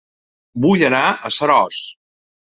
Vull anar a Seròs